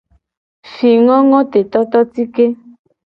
Fingongotetototike.